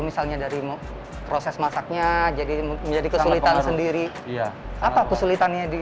misalnya dari proses masaknya jadi menjadi kesulitan sendiri apa kesulitannya di